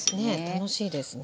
楽しいですね。